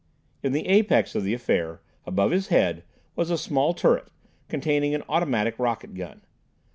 In the apex of the affair, above his head, was a small turret, containing an automatic rocket gun.